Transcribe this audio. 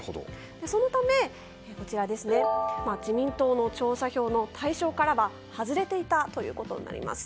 そのため、自民党の調査票の対象からは外れていたということになります。